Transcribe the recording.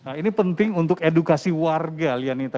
nah ini penting untuk edukasi warga lianita